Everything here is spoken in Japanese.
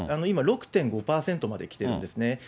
今、６．５％まできてるんですね。